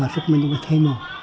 sức mạnh của thầy mò